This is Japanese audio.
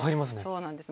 そうなんです。